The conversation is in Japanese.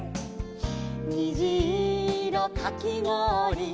「にじいろかきごおり」